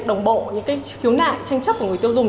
đồng bộ những khiếu nại tranh chấp của người tiêu dùng